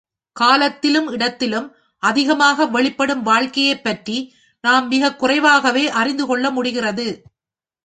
காலத்திலும் இடத்திலும் அதிகமாக வெளிப்படும் வாழ்க்கையைப் பற்றி நாம் மிகக் குறைவாகவே அறிந்து கொள்ள முடிகிறது.